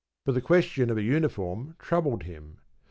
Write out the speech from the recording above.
But the question of a uniform troubled him.